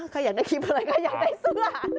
ใครอยากได้คลิปอะไรก็อยากได้เสื้อ